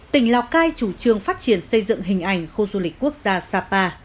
tỉnh lào cai chủ trương phát triển xây dựng hình ảnh khu du lịch quốc gia sapa